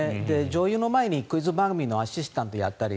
女優の前にクイズ番組のアシスタントをやったり。